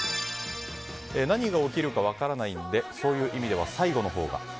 何が起きるか分からないんでそういう意味では、最後のほうが。